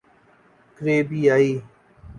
کریبیائی